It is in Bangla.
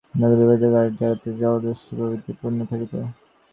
যাতায়াতের পথ সকল ঘোর বিপদসঙ্কুল ও ঠগী, ঠ্যাঙাড়ে, জলদস্যু প্রভৃতিতে পূর্ণ থাকিত।